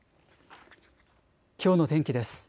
きょうの天気です。